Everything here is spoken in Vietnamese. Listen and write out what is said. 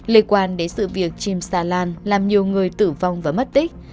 liên quan đến sự việc chìm xà lan làm nhiều người tử vong và mất tích